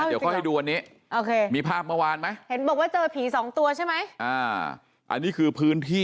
เดี๋ยวจะให้นะฟ